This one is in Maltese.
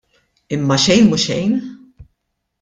Imma xejn mhu xejn!